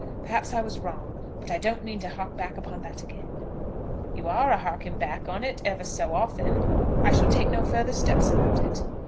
Perhaps I was wrong, but I don't mean to hark back upon that again." "You are a harking back on it, ever so often." "I shall take no further steps about it."